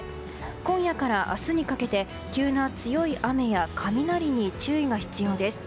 今夜から明日にかけて急な強い雨や雷に注意が必要です。